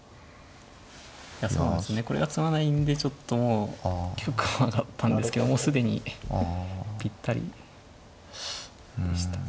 そうなんですよねこれが詰まないんでちょっともう玉上がったんですけどもう既にぴったりでしたか。